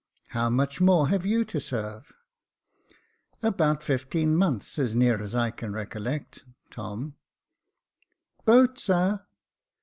How much more have you to serve ?"" About fifteen months, as near as I can recollect, Tom, —Boat, sir